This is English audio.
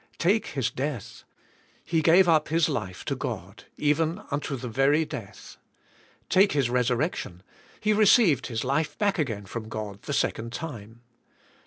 Take His death. He g ave up His life to God, even unto the very death. Take His resurrection. He received His life back again from God the second time.